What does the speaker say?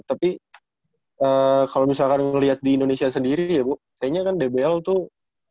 tapi kalau misalkan ngeliat di indonesia sendiri ya bu kayaknya kan dbl tuh